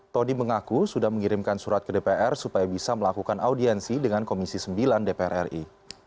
todi mengaku sudah mengirimkan surat ke dpr supaya bisa melakukan audiensi dengan komisi sembilan dpr ri